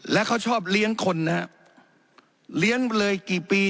แล้วเขาชอบเลี้ยงคนนะฮะเลี้ยงมาเลยกี่ปี